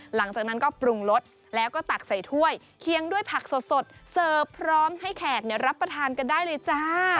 หลังจากนั้นก็ปรุงรสแล้วก็ตักใส่ถ้วยเคียงด้วยผักสดเสิร์ฟพร้อมให้แขกรับประทานกันได้เลยจ้า